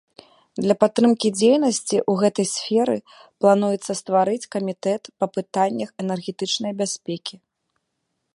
Для падтрымкі дзейнасці ў гэтай сферы плануецца стварыць камітэт па пытаннях энергетычнай бяспекі.